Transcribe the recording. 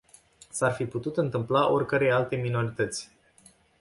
S-ar fi putut întâmpla oricărei alte minorități.